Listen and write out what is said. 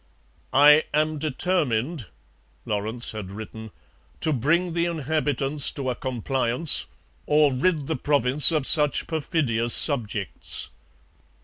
'I am determined,' Lawrence had written, 'to bring the inhabitants to a compliance, or rid the province of such perfidious subjects.'